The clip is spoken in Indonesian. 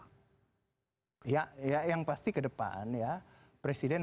oh ya ya yang pasti kedepan ya presiden